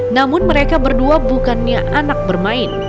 namun mereka berdua bukannya anak bermain